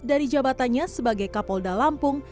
dari jabatannya sebagai kapolda lampung